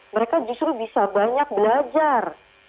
mereka justru bisa banyak belajar